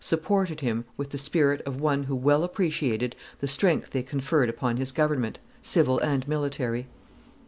supported him with the spirit of one who well appreciated the strength they conferred upon his government, civil and military.